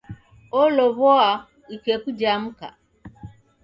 Olow'oa ikeku ja mka.